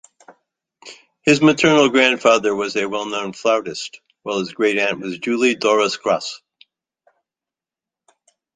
His maternal grandfather was a well-known flautist, while his great aunt was Julie Dorus-Gras.